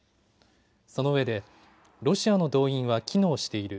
そのうえでロシアの動員は機能している。